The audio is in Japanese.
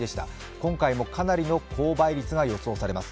今回もかなりの高倍率が予想されます。